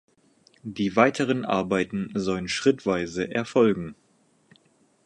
Die weiteren Arbeiten sollen schrittweise erfolgen.